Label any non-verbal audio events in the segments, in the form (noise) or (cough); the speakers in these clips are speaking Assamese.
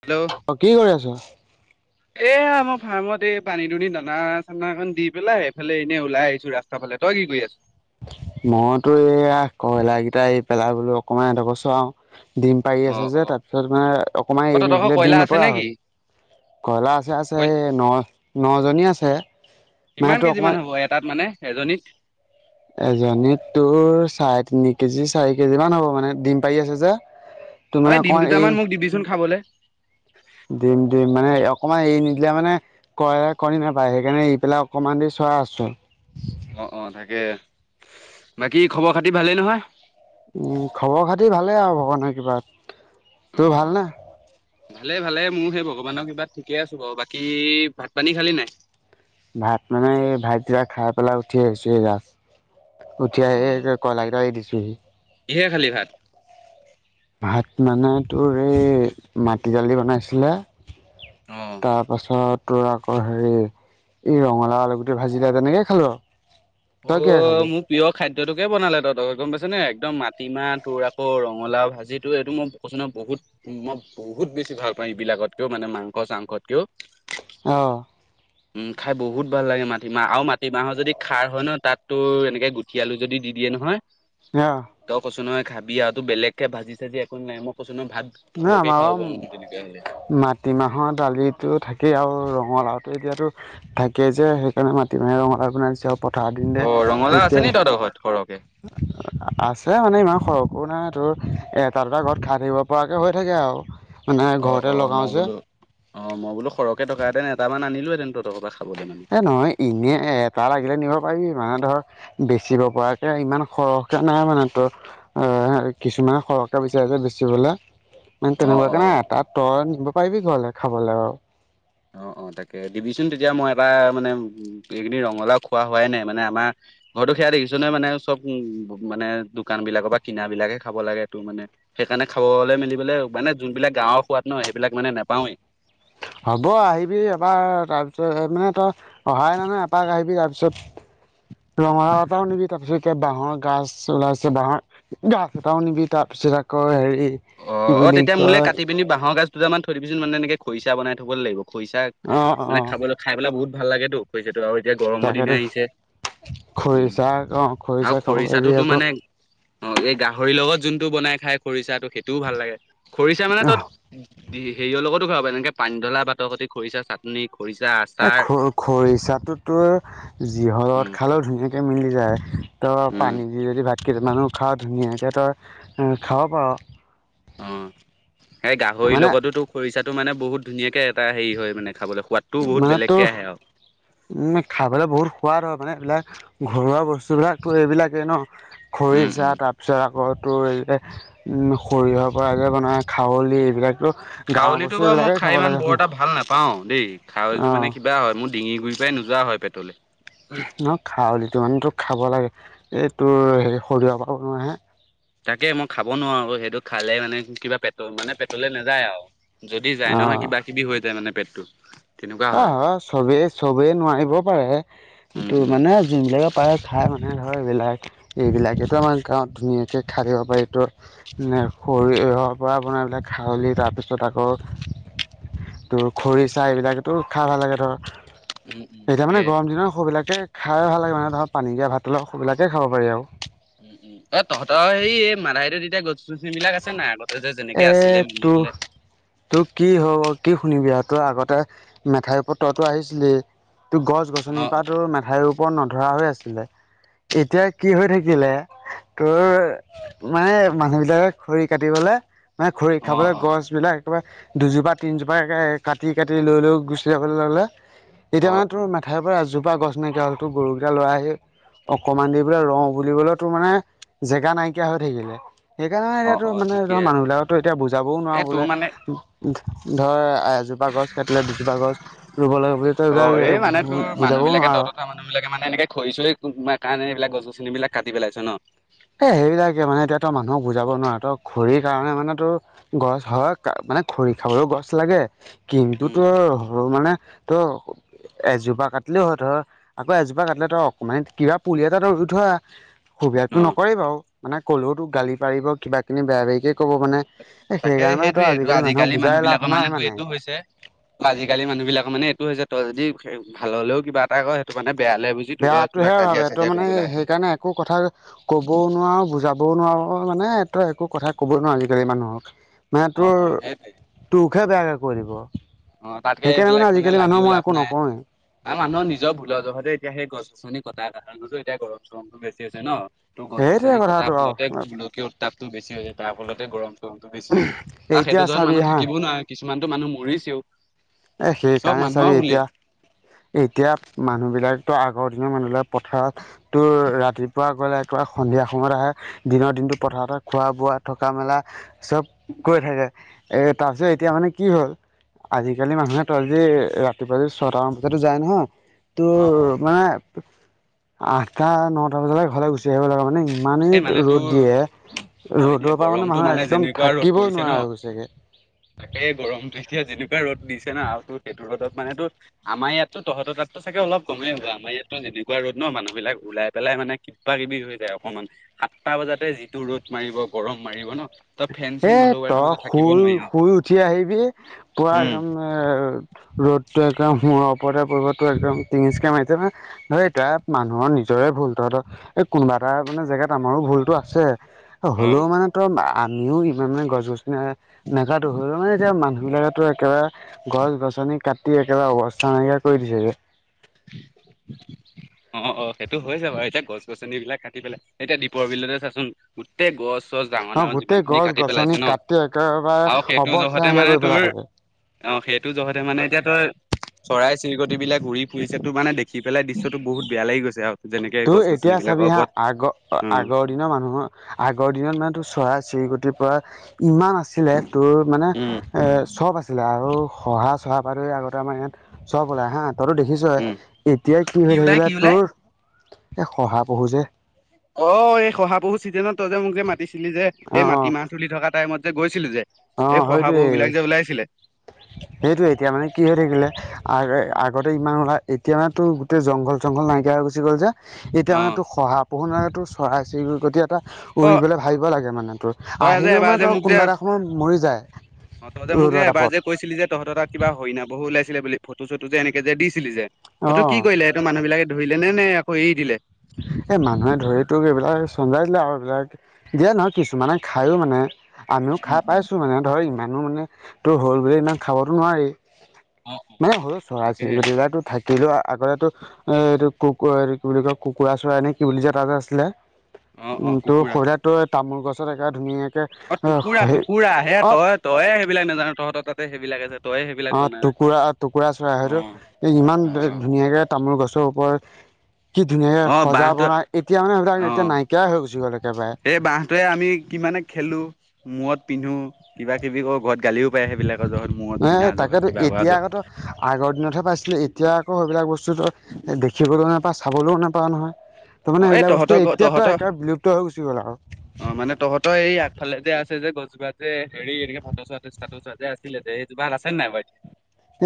হেল্লো'। অ', কি কৰি আছ? (inaudible) এ, আমাৰ ফাৰ্মত এই পানী দুনি দানা চানা অকন দি পেলাই, এইফালে এনেই ওলাই আহিছো ৰাস্তাত। তাৰফালে, তই কি কৰি আছ? মইতো এইয়া, কয়লা কিটা এই পেলাই, বোলো অকনমান সিহঁতকো আৰু (unintelligible) ডিম পাৰি অ আছে অ যে, তাৰপিছত মানে অকণমান অ এৰি তহঁতৰ নিদিলে কয়লা দিম আছে নে নপৰা কি? হ'ল। কয়লা আছে, আছে, কয় এই ন' জনী আছে, মানে কিমান টোৰ কেজি অকণমান মান হ'ব এটাত মানে এজনীত এজনীত তোৰ চাৰে তিনি কেজি, চাৰি কেজি মান হ'ব মানে, ডিম পাৰি আছে যে। তোৰ ঐ মানে দিম অকণমান দুটামান মোক দিবিচোন খাবলে। দিম দিম, মানে অকমান এৰি নিদিলে মানে কয়লা কণী নেপাৰে, সেইকাৰণে এৰি পেলাই অকমান দেৰি চৰাই আছোঁ। অ', অ' তাকে, বাকী খবৰ খাতি ভালেই নহয়? উম, খবৰ খাতি ভালেই আৰু ভগৱানৰ কৃপাত, অ তোৰ অ ভাল নে? ভালে ভালে, মোৰ সেই ভগৱানৰ কৃপাত ঠিকেই আছোঁ বাৰু, বাকী ভাত পানী খালী নে নাই? ভাত মানে এই ভাতকেইটা খাই পেলাই উঠি আহিছোঁ এই জাষ্ট, অ উঠি আহি কয়লা কেইটা এৰি দিছোঁহি। কিহেৰে খালী ভাত? ভাত মানে তোৰ এই, মাটি দালি বনাইছিলে! অ তাৰ পাছত তোৰ আক হেৰি এই ৰঙালাউ আলুগুটি ভাজিলে তেনেকে খালোঁ আৰু। তই কিহে অ', খালি? মোক প্ৰিয় খাদ্যটোকে বনালে তহঁতৰ ঘৰত গম পাইছ নে একদম মাটিমাহ তোৰ আকৌ ৰঙালাউ ভাজি এইটো মই কৈছোঁ নহয়, বহুত মই বহুত বেছি ভাল পাওঁ এইবিলাকতকেও মানে মাংস চাংসতকেও। অ'। উম, খাই বহুত ভাল লাগে মাটিমাহ আৰু মাটিমাহৰ যদি খাৰ হয় ন তাত তো এনেকে গুঠি আলু যদি দি দিয়ে নহয় অ'। ত' কচো নহয় খাবি আ তো বেলেগকে ভাজি চাজি একো নালাগে মই কৈছোঁ নয় ভাত না সৰহকে আমাৰ খাব পাৰো বাৰু মই তেনেকুৱা হ'লে। মাত মাটিমাহৰ দালিটো থাকেই আৰু ৰঙালাওতে এতিয়াতো থাকে যে হেইকাৰণে মাটিমাহে ৰঙালাউৱে বনাই দিছে আৰু পথাৰ দিন দে অ' ৰঙালাও আছে এতিয়া নি তহঁতৰ ঘৰত সৰহকে? আছে মানে ইমান সৰহকোও নাই তোৰ এটা দুটা ঘৰত খাই থাকিব পৰাকৈ হৈ থাকে আৰু মানে অ' ঘৰতে অ' লগাওঁ মই যে বোলো অ', মই বোলো সৰহকে থকাহেঁতেন এটামান আনিলোহেঁতেন তঁহত ঘৰপা খাবলৈ মানে এই নহয় ইনে এটা লাগিলে নিব পাৰিবি মানে ধৰ বেচিব পৰাকে ইমান সৰহকে নাই মানে তোৰ অ', কিছুমানে সৰহকে বিচাৰে যে বেচিবলৈ মানে অ' তেনেকুৱাকে অ'। নাই এটা তই নিব পাৰিবি ঘৰলে খাবলৈ বাৰু। অ', অ' তাকে দিবিচোন তেতিয়া মই এটা মানে এইগিদিন ৰঙালাও খোৱা হোৱাই নাই মানে আমাৰ ঘৰতো সেয়া দেখিছ নহয় মানে চব মানে দোকান বিলাকৰ বা কিনা বিলাকে খাব লাগে‌ তো মানে সেইকাৰণে খাবলৈ মেলিবলে উপায় নাই যোনবিলাক গাঁৱৰ সোৱাদ নহয় সেইবিলাক মানে নেপাওঁয়েই। হ'ব আহিবি এবাৰ তাৰপিছত হে মানে তই অহাই নাই এপাক আহিবি তাৰপিছত ৰঙালাউ এটাও নিবি তাৰপিছত এতিয়া বাঁহৰ গাজ ওলাইছে বাঁহৰ গাছ এটাও নিবি তাৰ পিছত আকৌ হেৰি কি অ', অ' বুলি তেতিয়া মোলে কয় কাটিব পিনে বাঁহৰ গাজ দুটামান থৈ দিবিচোন মানে এনেকে খৰিচা বনাই থব লাগিব খৰিচা অঁ মানে অঁ খাবলৈ খাই পেলাই বহুত ভাল লাগেতো খৰিচাটো আৰু এতিয়া গৰমৰ দিন তাকেতো আহিছে। উম খৰিচা অ', আৰু খৰিচা খাব পাৰিবি খৰিচাটোতো আকৌ মানে অ', এই গাহৰিৰ লগত যোনটো বনাই খাই খৰিচাটো সেইটোও ভাল লাগে খৰিচা মানে ত হেৰিঅ' লগতো খাব পাৰি যেনেকে পানী ধলা ভাতৰ সতি খৰিচা চাটনি খৰিচা এ আচাৰ খ খৰিচাটোতো যিহৰত উম খালেও ধুনীয়াক এ, মিলি যায় তই উম পানী দি যদি ভাত কেইটামানো খাৱ ধুনীয়াকে তই উম, খাব পাৰ। অ', এই গাহৰিৰ মানে লগতোতো খৰিচাটো মানে বহুত ধুনীয়াকৈ এটা হেৰি হয় মানে খাবলৈ সোৱাদ মানে তোৰ উম, খাবলৈ বহুত সোৱাদ হয় মানে এইবিলাক ঘৰুৱা বস্তুবিলাকতো এইবিলাকেই ন। উম খৰিছা উম তাৰপিছত আকৌ তোৰ এইয়া উম সঁৰিয়হৰ পৰা আগে বনাই খাৱলি এইবিলাকতো গাঁৱৰ চাউলীটো বস্তু বা মোৰ এইবিলাকেই খাব খাই ইমান লাগে। বৰ এটা ভাল না পাওঁ, দেই অ খাৱলীটো মানে কিবা হয় মোৰ ডিঙিৰ গুৰিৰ পৰাই নোযোৱা হয় পেটলৈ। ন খাৱলিটো মানে তোৰ খাব লাগে এই তোৰ হেৰি সৰিয়হৰ পৰা বনোৱা হে তাকে মই খাব নোৱাৰোঁ আক' সেইটো খালে মানে কিবা পেট মানে পেটলে নাযায় আৰু। যদি যায় নহয় অ। কিবা কিবি হৈ যায় মানে পেটটো। তেনেকুৱা আ, হয় আ চবেই, চবেই নোৱাৰিব পাৰে উম কিন্তু উম। মানে যোনবিলাকে পায় খাই মানে ধৰ এইবিলাক, এইবিলাকেতো আমাৰ গাঁৱত ধুনীয়াকৈ খাই থাকিব পাৰি তোৰ। মানে সৰিয়হৰ পৰা বনাই পেলাই খাৱহি তাৰপিছত আকৌ তোৰ খৰিচা এইবিলাক তো খাই ভাল লাগে ধৰ, উম উম এতিয়া তাকে। মানে গৰম দিনত সৰুবিলাকে খাই ভাল লাগো ধৰ পানী দিয়া ভাতৰ সেইবিলাকে খাব পাৰি আৰু। উম উম অ' তহঁতৰ হেৰি এই মাৰাহটোত এতিয়া গছ চছনি বিলাক আছে নাই, আগতে যেনেকে আছিলে মিলি দিলে। তোক কি হব কি শুনিবি আৰু তোৰ আগতে, মেঠাইৰ ওপৰত তহতি আহিছিলি। ত গছ অ গছনিৰ পৰা তো মেঠাইৰ ওপৰত নধৰা হৈ আছিলে। এতিয়া কি হৈ থাকিলে, তোৰ মানে মানুহ বিলাকে খৰি কাটিবলে, মানে খৰি অ অ অ খাবলে গছ বিলাক একেবাৰে, দুজোপা তিনজোপাকে কাটি কাটি লৈ লৈ গুচি যাবলৈ ললে। তেতিয়া অ মানে তোৰ মেথাইৰ পৰা এজোপা গছ নাইকিয়া, হলতো গৰুকেইটা লৰাাই আহি অকমান দেৰি বোলে ৰ বুলিবলে তোৰ মানে, জেগা নাইকিয়া হৈ থাকিলে। সেইকাৰণে অ অ এতিয়াতো অ মানে ঠিকে ধৰা মানুহবিলাকতো এতিয়া বুজাব এ নোৱাৰো তোৰ বোলে মানে ধৰ, এ এজোপা গছ কাটিলে দুজোপা গছ ৰুব লাগে বুলি, তই অ এই মানে তোৰ এইবিলাক মানুহ বুজাবও বিলাকে নোৱাৰ। তহঁতৰ তাৰ মানুহ বিলাকে মানে এনেকে খৰি চৰি কাৰণে এইবাক গছ চিনি বিলাক কাটি পেলাইছে ন। এ সেইবিলাকে মানে এতিয়া তই মানুহক বুজাব নোৱাৰে, ত খৰি কাৰণে মানে তোৰ গছ হয়, মানে খৰি খাবলৈও গছ লাগে, কিন্তু উম তোৰ সৰু মানে ত এজোপা কাটিলেও হয় ধৰ, আকৌ এজোপা কাটিলে তই অকমান মানে কিবা পুলি এটা ৰুই থৈ আহ। অ সুবিধাতো নকৰে বাৰু, মানে ক'লেও তোক গালি পাৰিব কিবা কিবি বেয়া বেয়িকে ক'ব মানে এ তাকে সেইকাৰণে তই সেইটোয়ে মানুহক আজিকালি বুজাই মানুহ লাভ বিলাকৰ নাই মানে তোৰ এইটো হৈছে আজিকালি মানুহ বিলাকৰ মানে এইটো হৈছে, তই যদি ভাল হলেও কিবা এটা কয় ত মানে বেয়া লে বুজি ত লগত কিবা কাজিয়া চাজিয়া কৰি পেলাই। ক কথা ক'বও নোৱাৰো বুজাবও নোৱাৰো, মানে তই একো কথা ক'ব নোৱাৰো আজিকালি মানুহক। মাহে অ তোৰ, অ সেইটোৱে। তোক হে বেয়াকৈ কৈ দিব। অ', তাতকে সেইকাৰণে এইবিলাক মানে আজিকালি লাগিও মানুহক মই লাভ একো নাই। নকওঁৱেই। আৰু মানুহৰ নিজৰ ভুলৰ জহতে এতিয়া সেই গছ গছনি কটা কতো এতিয়া গৰম চৰমতটো বেছি হৈছে ন। ত' গছ সেইটোৱে গছনি কথাটো কটাৰ আৰু ফলতে গোলকীয় উত্তাপটো বেছি হৈ হৈছে, তাৰ ফলতে গৰম চৰমতটো বেছি হৈছে। আৰু এতিয়া সেইটো যেগাত চাবি মানুহ হা থাকিবও নোৱাৰে কিছুমানতো মানুহ মৰিছেও। এ চব সেইকাৰণে মানুহৰ চাবি ভুলেই। এতিয়া এতিয়া মানুহ বিলাকতো আগৰ দিনৰ মানুহবিলাক পথাৰত তোৰ ৰাতিপুৱা গ'লে, একবাৰে সন্ধিয়া সময়ত আহে। দিনৰ দিনটো পথাৰত খোৱা বোৱা থকা মেলা। চব কৰি থাকে, এ তাৰপিছত এতিয়া মানে কি হ'ল আজিকালি মানুহে ত আজি ৰাতিপুৱা য ছয়টামান বজাতো যায় নহয়, তোৰ অ', অ', মানে আঠটা নটা বজালৈ ঘৰলে গুচি আহিব লাগিব, মানে ইমানেই এই মানে ৰ'দ তোৰ দিয়ে। অ', এতিয়া ৰ'দৰ পৰা মানে গৰমটো মানুহ একদম যেনেকুৱা ৰ'দ থাকিবও পৰিছে ন নোৱাৰা হৈ গৈছেগে। তাকে গৰমতটো এতিয়া যেনেকুৱা ৰ'দ দিছে না আৰুটো সেইটো ৰ'দত মান তো আমাৰ ইয়াতো, তহঁতৰ তাতটো চাগে অলপ কমেই হ'ব, আমাৰ ইয়াতো যেনেকুৱা ৰ'দ ন মানুহবিলাক ওলাই পেলাই মানে কিবা কিবি হৈ যায় অকমান, সাতটা বজাতে যিটো ৰ'দ মাৰিব গৰম মাৰিব ন। তই ফেন চেন এ নলগোৱাকে তই মানে থাকিব শুই, নোৱাৰি আৰু শুই উঠি আহিবি পৰা উম। একদম এ ৰ'দ টো একদম ওপৰতে পৰিব, তোৰ একদম তিইচন কে মাৰিব। হে দিৰেক মানুহৰ নিজৰে ভুল তুহতৰ এই কোনোবা এটা মানে জেগাত আমাৰো ভুলতো আছে অ হ'লেও মানে তই আমিও ইমান মানে গছ, গছিনি নোজটো হলেও মানে এতিয়া মানুহ বিলাকো একেবাৰে গছ, গছনি কাটি একেবাৰে অৱস্থা নাইকিয়া কৰি দিছে যে। (inaudible) অ', অ', সেইটো হৈ চে ভাই এতিয়া গছ, গছনি বিলাক কাটি পেলাই এতিয়া দ্বীপৰ বিলতে চাচোন। গোটেই গছ, চছ ডাঙৰ অ ডাঙৰ যিমান গোটেই খিনি গছ কাটি গছনি পেলাইছে ন, কাটি একেবাৰে আৰু সেইটো অৱস্থা জহতে নাইকিয়া মানে কৰি তোৰ। পেলালে। অ', সেইটো জহতে মানে এতিয়া তই চৰাই, চিলগতি বিলাক উৰি ফুৰিছে তো মানে দে হেফলে দিশয়টো বহুত বেয়া লাগি গৈছে আৰু। যেনেকে তই গছ গছনি এতিয়া বিলাকৰ চাবি হা ওপৰত আগ-আগত উম। আগ দিনৰ মানুহৰ আগৰ দিনত মানুহৰতো চৰাই, চিলগতি পৰা ইমান আছিলে। তেওঁৰ মানে। উম এ চব আছিলে আৰু কহা, চহা বাদতে আগতে আমাৰ যাত সব ওলাই হা তইতো দেখি চ। উম এতিয়া কি হৈ ওলাই থাকিলে কি ওলাই? তোৰ, এ শহা পহু যে অ', এই শহা পহু ছিজনত তই যে মোকে যে মাতিছিলি যে অ এই মাটি মাহ তুলি থকা টাইমত যে, গৈছিলো যে। অ অ যে শহা পহু বিলাক যে ওলাইছিলে। সেইটো এতিয়া মানে কি হৈ থাকিলে আগ-আগতে ইমান ওলাই এতিয়া মানে তেওঁৰ গোটেই জংঘল। জংঘল নাইকিয়া হৈ গুচি গল যে, এতিয়া অ মানে তোৰ শহা পুহু নে তোৰ চৰাই, চশিলগুটি এটা অ উৰিবলৈ ভাবিব লাগে মানে তোৰ তই যে আহিলেও এবাৰ মানে যে তেওঁৰ মোক যে কোনোবা এটা সময় মৰি যায়। অ', তই যে মোক যে ৰ'দৰ এবাৰ তাপত যে কৈছিলি যে, তহঁতৰ তাত কিবা হৰিণা বহু ওলাইছিলে বুলি, ফটো চটো যে এনেকে যে দিছিলি যে। তটো অঁ কি কৰিলে সেইটো মানুহ বিলাকে ধৰিলে নে নে আকৌ এৰি দিলে। এ মানুহে ধৰি তোক এইবিলাক চঞ্জাই দিলে আৰু এইবিলাক। দিয়া নহয় কিছুমানে খায়ো মানে। আমিও উম খাই উম পাইছো মানে ধৰ ইমানো মানে তোৰ হ'ল বোলে ইমান খাবতো নোৱাৰি। অ অ মানে সৰু চৰাই, তাকেহে শিলগুটি এটাতো থাকিলেও আগতেতো এ এটো কুকুৰৰ কি বুলি কয় কুকুৰা চৰাই এনে কি বুলি এটা যে আছিলে, অ অ উম তোৰ কুকুৰা শৰীৰত। তই তামোল গছত একেবাৰে ধুনীয়াকে অ', টুকুৰা হে টুকুৰা অ তই তইয়ে সেইবিলাক নাজানো তহঁতৰ তাতে সেইবিলাক আছে। তইয়ে সেইবিলাক অ', জনা নাই। টুকুৰা টুকুৰা অ চৰাই এই ইমান অ ধুনীয়াকে তামোল গছৰ ওপৰত কি ধুনীয়াকে অ সজা বাঁহটো বনাই, এতিয়া মানে অ সেইবিলাক এতিয়া নাইকিয়াই হৈ গুছি গল একেবাৰে। সেই বাঁহটোৱে আমি কিমানে খেলো, মূৰত নিধু, কিবা কিবি কৰো ঘৰত গালিও সেইবিলাকৰহত মূৰত এ পিধা তাকেতো জহত কিবা কৰা এতিয়া আগতো যত। আগৰ দিনতহে পাইছিলো এতিয়া আকৌ সেইবিলাক বস্তু তই দেখিবলৈও নাপাও, চাবলৈও নাপাও নহয়। তাৰ অ মানে এই এইবিলাক বস্তু তহঁতৰ ঘ এতিয়াতো তহঁতৰ একেবাৰে বিলুক্ত হৈ গুচি গ'ল আৰু। অ', মানে তহঁতৰ এই আগফালে যে আছে যে গছজোপা যে হেৰি এনেকে ত তোৱা যে আছিলে যে য়েজুপত আছে নাই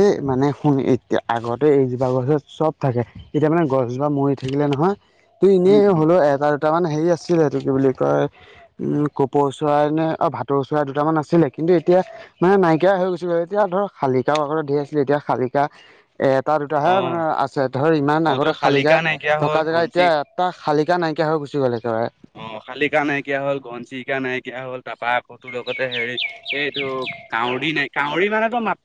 এই মানে শুনি এতিয়া আগতে আজুপা গছত চব থাকে। এতিয়া মানে গছজোপা মৰি থাকিলে নহয় তই উম এনেই উম। হলো আতাৰ দুটামান হেৰি আছিলে সেইটো কি বুলি কয় উম কপৌ চৰাই নে আৰু ভাতো চৰাই দুটামান আছিলে কিন্তু এতিয়া মানে নাইকিয়া হৈ গৈছিলো, এতিয়া ধৰ খালীকা ঢেৰ আছিল এতিয়া খলিফা এটা, অ দুটাহে মানে আছে ধৰ ইমান অ তোৰ আগতে শালিকা নাইকিয়া হ'ল থকা জেগা ঘনচি এতিয়া তাৰ খালীকা নাইকিয়া হৈ গুচি গ'ল একেবাৰে। অ', খালিকা নাইকিয়া হ'ল, ঘোঁচিৰিকা নাইকিয়া হ'ল, তাৰাপৰা আকৌ তো লগতে হেৰি এইটো কাউৰী নাই, কাউৰী মানেতো মাত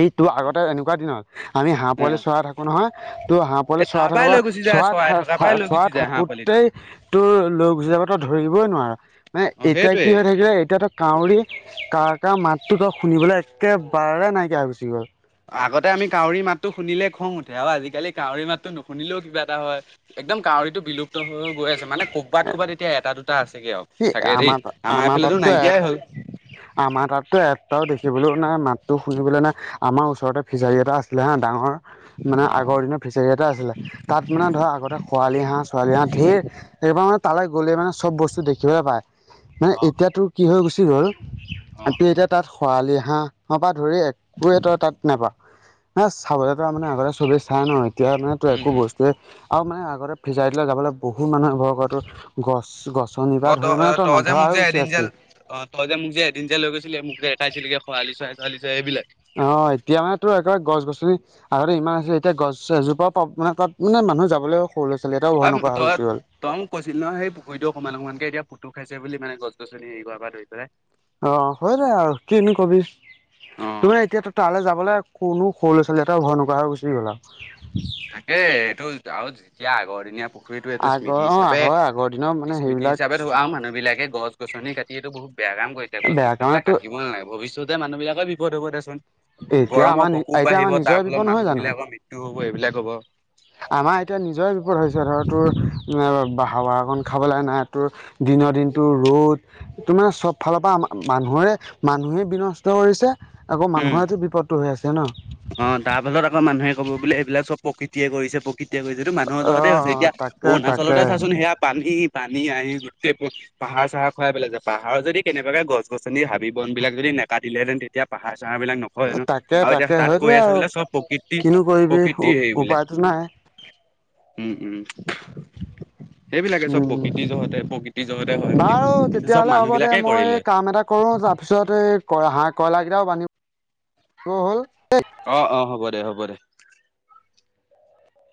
এইটো আগতে এনেকুৱা দিনত আমি হাঁহ অ পোৱালি চৰাই থা কো নহয়, ত' হাঁহ পোৱালি এই চৰা তাৰ থাকো পৰাই বা লৈ গুচি যায় চৰাই থকা থা-থা পৰাই লৈ গুচি চৰাই যায় হাঁহ পোৱালিটো থাকোঁতেই তোৰ লৈ গুচি যাব তই ধৰিবই নোৱাৰ, মানে অ এতিয়া সেইটোৱে কি হয় থাকিলে এতিয়া তই কাউৰী কা কা মাতটো তই শুনিবলৈ একেবাৰে নাইকিয়া হৈ গুচি গ'ল। আগতে আমি কাউৰী মাতটো শুনিলে খং উঠে আৰু আজিকালি কাউৰী মাতটো নুশুনিলেও কিবা এটা হয়। একদম কাউৰীটো বিলুপ্ত হৈ গৈ গৈ আ মানে কৰ'বাত ক'বাত এতিয়া এটা দুটা আছেগে আৰু সি চাগে দেই, আমাৰ আমাৰ এইফালেতো তাততো এ নাইকিয়াই হ'ল। আমাৰ তাততো এটাও দেখিবলৈও নাই, মাতটো শুনিবলৈ নাই, আমাৰ ওচৰতে ফিচাৰী এটা আছিলে হে ডাঙৰ মানে অ অ আগৰ দিনৰ ফিচাৰী এটা আছিলে, তাত মানে ধৰ আগতে খোৱালি হাঁহ ছোৱালি হাঁহ ধেৰ, এইবাৰ মানে তালৈ গ'লে মানে চব বস্তু দেখিবলৈ পায়, মানে অ এতিয়াতো কি হৈ গুছি গ'ল অ (unintelligible) তাত খৰালি হাঁহ পৰা ধৰি একোৱে তই তাত নাপা। এ, চাবলৈ তাৰমানে আগতে চবেই চাই ন' এতিয়া মানে তোৰ উম একো উম বস্তুৱে আৰু মানে আগতে ফিচাৰীলৈ যাবলৈ বহুত মানুহে ভয় কৰে, তেওঁৰ গছ-গছ অ শনিবাৰ ত ধৰি মানে তই যে নধৰা মোক যে হৈ গুচি এদিন যে আছি অ' তই যে মোক যে এদিন যে লৈ গৈছিলি, মোক যে দেখাইছিলি খৰালি চৰাই তৰালি চৰাই এইবিলাক? অ' এতিয়া মানে তোৰ একেবাৰে গছ গছনি আগতে ইমান আছিলে এতিয়া গছ এজোপাও পাব মানে তাত মানে মানুহ যাবলেও সৰুৰে ছোৱালী এটাওঁ (unintelligible) তই তই মোক কৈছিলি নহয়, সেই পুখুৰীটো অকমান অকমানকে এতিয়া পুকটোক খাইছে বুলি মানে গছ গছনি হৰি কৰাৰপৰা ধৰি পেলাই। অ' হয় যাই আৰু কিনো কবি, অ তোমাৰ এতিয়া তাত তালৈ যাবলৈ কোনো সৰু ল'ৰা ছোৱালী এটাও ভয় নকৰা হৈ গুচি গ'ল আৰু। তাকে, এইটো আৰু যেতিয়া আগৰ দিনীয়া পুখু পুখুৰী এইটো আগৰ স্মৃতি অ হিচাপে, হয় আগৰ দিনৰ মানে স্মৃতি সেইবিলাক হিচাপে ধও আও মানুহবিলাকে গছ গছনি কাটি এইটো বহুত বেয়া কম কৰিছে, গছ বেয়া গছনিবিলাক কাৰণেতো কাটিব নালাগে, ভৱিষ্যতে মানুহবিলাকৰ বিপদ হ'ব দেচোন। এতিয়া গৰমৰ আমাৰ প্ৰকোপ এতিয়া আমাৰ বাঢ়িব, নিজৰে তাৰ বিপদ ফলত নহয় জানো মানুহবিলাকৰ মৃত্যু হ'ব এইবিলাক হ'ব। আমাৰ এতিয়া নিজৰ বিপদ হৈছে ধৰ তোৰ বাহ হাৱা অকণ খাবলৈ নাই তোৰ দিনৰ দিনটো ৰ'দ তোমাৰ চব ফালৰপৰা আমা, মানুহৰে মানুহে বিনষ্ট কৰিছে। আকৌ উম মানুহৰেতো বিপদটো হৈ আছে ন'? অ' তাৰপাছত আকৌ মানুহে আহি ক'ব বোলে এইবিলাক চব প্ৰকৃতিয়ে কৰিছে প্ৰ কৃতিয়ে কৈছে, এইটো মানুহৰ অ জহতে হৈছে, এতিয়া তাকে তাকে অৰুণাচলতে চাচোন সেয়া পানী পানী আহি গোটেই (unintelligible) পাহাৰ-চাহাৰ খুৱাই পেলাইছে, পাহাৰৰ যদি পাহাৰ পাহাৰ চাহাৰ খহাই পেলাইছে। পাহাৰ যদি কেনেবাকে গছ গছনি, হাবি বনবিলাক যদি নেকাটিলেহেঁতেন তেতিয়া পাহাৰ চাহাৰবিলাক ন হয় এনেও, তাকে আৰু এতিয়া তাকে তাত কৈ সেইটোৱে আছে আৰু বোলে চব প্ৰকৃতি, কিনো কৰিবি প্ৰকৃতি হেৰি বোলে। উপায়তো নাই উম, উম। সেইবিলাকে চব উম প্ৰকৃতিৰ জহতে প্ৰকৃতিৰ জহতে হয় বুলি বাৰু কয়, কিন্তু চব তেতিয়াহ'লে মানুহবিলাকে কৰিলে। পিছত এই কৰা হাঁহ কইলা কেইটাও বান্ধি ব হ'ল। অ', অ' হ'ব দে, হ'ব দে।